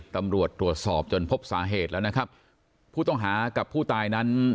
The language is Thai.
ตำรวจตรวจสอบจนพบสาเหตุแล้วนะครับผู้ต้องหากับผู้ตายนั้น